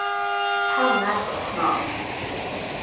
How nice it smells.